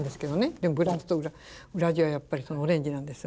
でもブラウスと裏地はやっぱりそのオレンジなんです。